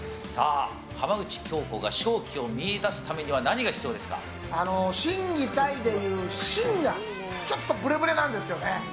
浜口京子が勝機を見いだすためには心技体でいう心がブレブレなんですよね。